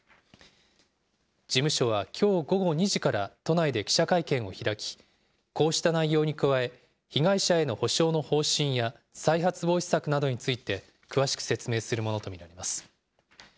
事務所はきょう午後２時から都内で記者会見を開き、こうした内容に加え、被害者への補償の方針や再発防止策などについて詳しく説明するものと見られます。